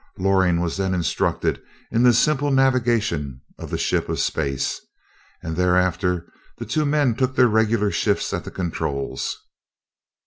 Loring was then instructed in the simple navigation of the ship of space, and thereafter the two men took their regular shifts at the controls.